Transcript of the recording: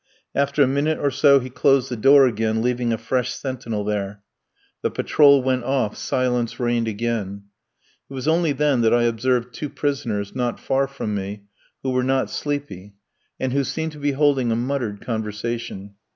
After a minute or so he closed the door again, leaving a fresh sentinel there; the patrol went off, silence reigned again. It was only then that I observed two prisoners, not far from me, who were not sleeping, and who seemed to be holding a muttered conversation.